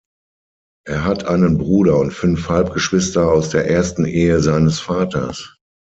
Er hat einen Bruder und fünf Halbgeschwister aus der ersten Ehe seines Vaters.